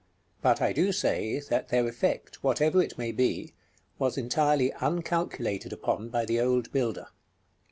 But I do say, that their effect, whatever it may be, was entirely uncalculated upon by the old builder.